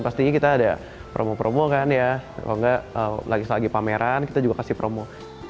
pastinya kita ada promo promo kan ya kalau enggak lagi pameran kita juga kasih promo